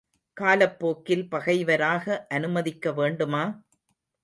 காலப்போக்கில் பகைவராக அனுமதிக்க வேண்டுமா?